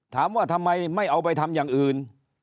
ถามว่าทำไมไม่เอาไปทำอย่างอื่น